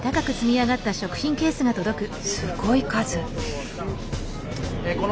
すごい数！